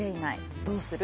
どうする？